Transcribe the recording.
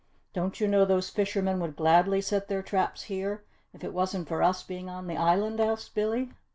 "Don't you know those fishermen would gladly set their traps here if it wasn't for us being on the island?" asked Billy.